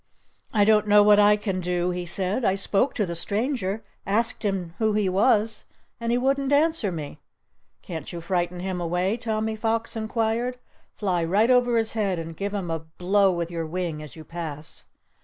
"I don't know what I can do," he said. "I spoke to the stranger—asked him who he was. And he wouldn't answer me." "Can't you frighten him away?" Tommy Fox inquired. "Fly right over his head and give him a blow with your wing as you pass!"